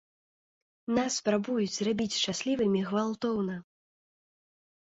Нас спрабуюць зрабіць шчаслівымі гвалтоўна!